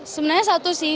sebenarnya satu sih